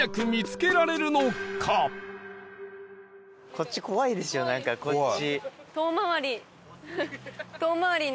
こっち怖いですよなんかこっち。